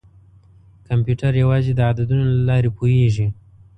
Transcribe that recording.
کمپیوټر یوازې د عددونو له لارې پوهېږي.